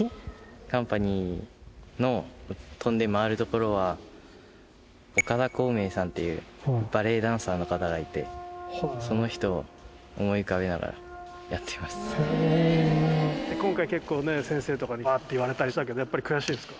カンパニーの跳んで回るところは、岡田晃明さんっていうバレエダンサーの方がいて、その人を思い浮今回、結構ね、先生とかにばーって言われたりしたけど、やっぱり悔しいですか。